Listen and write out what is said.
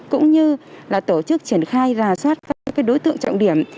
cũng như là tổ chức triển khai ra soát các đối tượng trọng điểm